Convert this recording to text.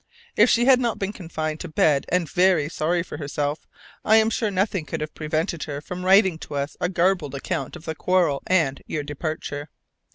If she had not been confined to bed, and very sorry for herself, I am sure nothing could have prevented her from writing to us a garbled account of the quarrel and your departure.